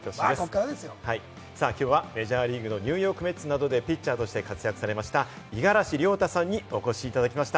今日はメジャーリーグのニューヨーク・メッツなどでピッチャーとして活躍されました、五十嵐亮太さんにお越しいただきました。